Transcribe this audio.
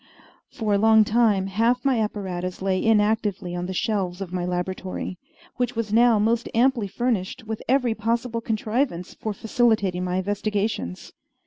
For a long time half my apparatus lay inactively on the shelves of my laboratory, which was now most amply furnished with every possible contrivance for facilitating my investigations.